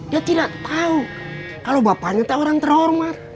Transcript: dia tidak tahu kalau bapaknya tak orang terhormat